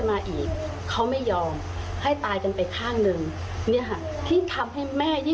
มาตามมาระรานถึงที่นี่แล้วมาข่มขู่